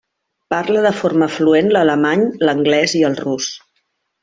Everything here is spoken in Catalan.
Parla de forma fluent l'alemany, l'anglès i el rus.